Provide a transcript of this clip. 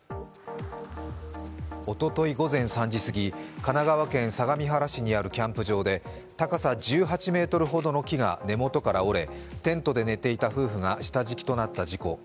おととい午前３時すぎ、神奈川県相模原市にあるキャンプ場で高さ１８ｍほどの木が根元から折れ、テントで寝ていた夫婦が下敷きとなった事故。